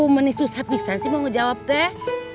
meni susah pisang sih mau ngejawab teh